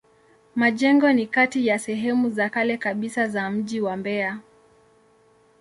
Majengo ni kati ya sehemu za kale kabisa za mji wa Mbeya.